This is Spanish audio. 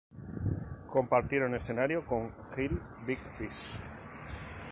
Compartieron escenario con Reel Big Fish.